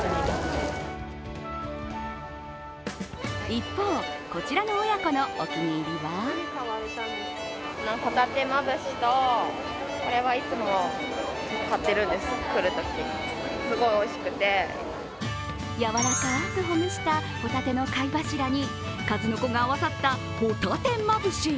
一方、こちらの親子のお気に入りはやわらかくほぐしたホタテの貝柱に数の子が合わさったホタテまぶし。